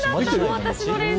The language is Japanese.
私の練習。